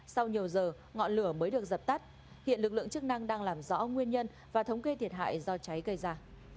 sau nhiều giờ ngọn lửa mới được dập tắt hiện lực lượng chức năng đang làm rõ nguyên nhân và thống kê thiệt hại do cháy gây ra